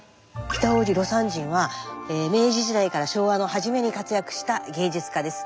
北大路魯山人は明治時代から昭和の初めに活躍した芸術家です。